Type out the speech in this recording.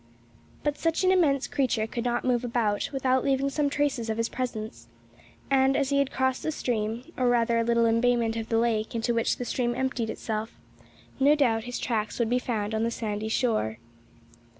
But such an immense creature could not move about, without leaving some traces of his presence; and as he had crossed the stream, or rather a little embayment of the lake into which the stream emptied itself, no doubt his tracks would be found on the sandy shore.